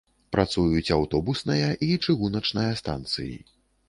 Працуюць аўтобусная і чыгуначная станцыі.